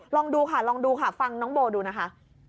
ลองดูค่ะฟังน้องโบ้ดูนะคะ